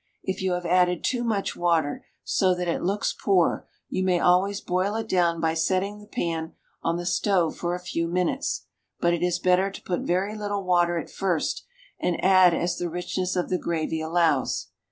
If you have added too much water, so that it looks poor, you may always boil it down by setting the pan on the stove for a few minutes; but it is better to put very little water at first, and add as the richness of the gravy allows.